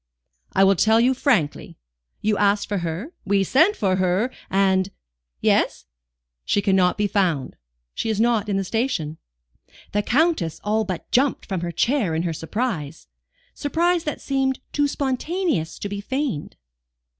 "I will tell you frankly. You asked for her, we sent for her, and " "Yes?" "She cannot be found. She is not in the station." The Countess all but jumped from her chair in her surprise surprise that seemed too spontaneous to be feigned.